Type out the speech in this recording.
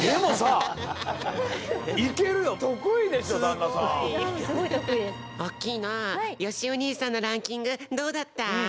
アッキーナよしお兄さんのランキングどうだった？